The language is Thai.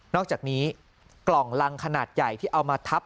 อกจากนี้กล่องลังขนาดใหญ่ที่เอามาทับ